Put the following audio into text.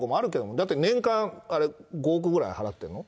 だって年間、５億ぐらい払ってるの？